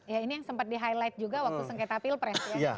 ya ini yang sempat di highlight juga waktu sengketa pilpres ya